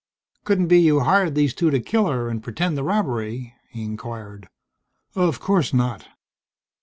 "Couldn't be you hired these two to kill her and pretend the robbery?" he inquired. "Of course not."